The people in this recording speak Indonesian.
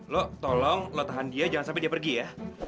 lo tolong lo tahan dia jangan sampai dia pergi ya